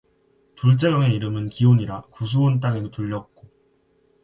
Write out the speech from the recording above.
둘째 강의 이름은 기혼이라 구스 온 땅에 둘렸고